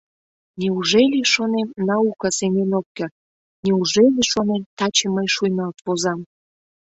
Неужели, шонем, наука сеҥен ок керт, неужели, шонем, таче мый шуйналт возам?